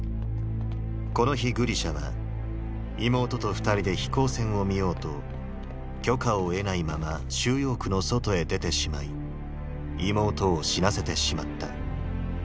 この日グリシャは妹と二人で飛行船を見ようと許可を得ないまま収容区の外へ出てしまい妹を死なせてしまった。